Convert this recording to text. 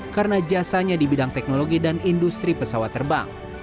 karena jasanya di bidang teknologi dan industri pesawat terbang